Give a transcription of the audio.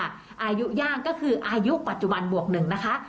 อายุย่างก็คืออายุปัจจุบันบวก๑นะคะ